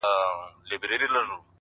o چي مرور نه یم ـ چي در پُخلا سم تاته ـ